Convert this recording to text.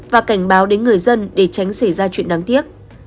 và cảnh báo đến người dân để tránh xảy ra chuyện đáng tiếc